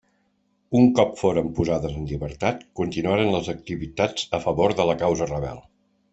Un cop foren posades en llibertat, continuaren les activitats a favor de la causa rebel.